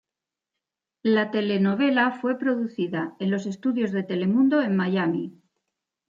La telenovela fue producida en los Estudios de Telemundo en Miami.